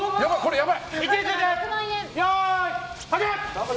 やばい。